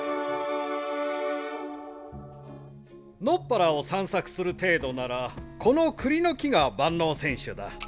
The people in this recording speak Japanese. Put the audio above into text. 野っ原を散策する程度ならこのクリの木が万能選手だ。